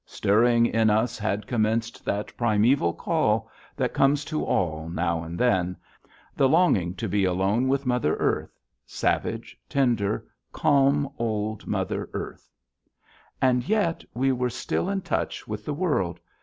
Stirring in us had commenced that primeval call that comes to all now and then, the longing to be alone with Mother Earth, savage, tender, calm old Mother Earth. And yet we were still in touch with the world.